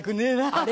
あれ？